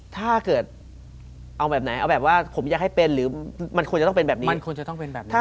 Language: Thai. ถ้าเกิดเอาแบบไหนเอาแบบว่าผมอยากให้เป็นหรือมันควรจะต้องเป็นแบบนี้